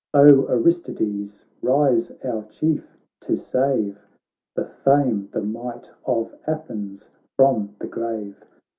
O Aristides, rise, our Chief I to save The fame, the might of Athens from the grave.